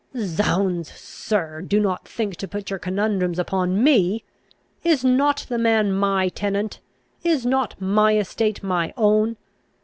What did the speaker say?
"Zounds, sir, do not think to put your conundrums upon me! Is not the man my tenant? Is not my estate my own?